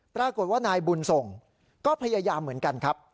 ปรากฏว่านายบุญส่งก็พยายามเหมือนกันครับ